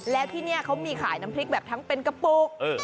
แล้วที่นี่เขามีขายน้ำพริกแบบทั้งเป็นกระปุก